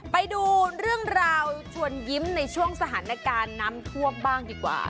ไปดูเรื่องราวชวนยิ้มในช่วงสถานการณ์น้ำท่วมบ้างดีกว่า